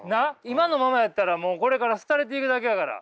今のままやったらもうこれから廃れていくだけやから。